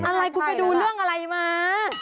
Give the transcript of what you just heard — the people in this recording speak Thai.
อะไรคุณไปดูเรื่องอะไรมา